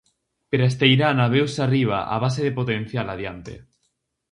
Pero a Esteirana veuse arriba a base de potencial adiante.